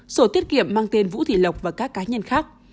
sổ tiết kiệm mang tên vũ thị lộc và các cá nhân khác